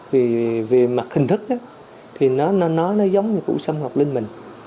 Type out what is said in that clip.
về mặt hình thức thì nó giống như cụ sâm ngọc linh mình